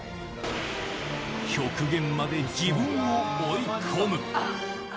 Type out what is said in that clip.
極限まで自分を追い込む。